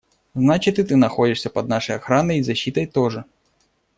Значит, и ты находишься под нашей охраной и защитой тоже.